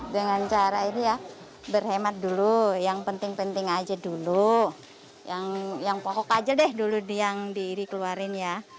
dengan cara ini ya berhemat dulu yang penting penting aja dulu yang pokok aja deh dulu yang dikeluarin ya